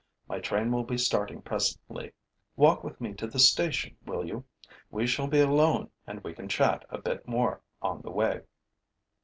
My train will be starting presently. Walk with me to the station, will you? We shall be alone and we can chat a bit more on the way.'